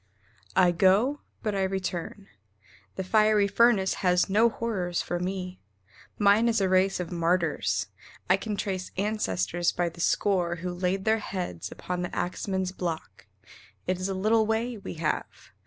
I go, but I return. The fiery furnace has no horrors for me. Mine is a race of martyrs. I can trace Ancestors by the score who laid their heads Upon the axman's block. It is a little way We have.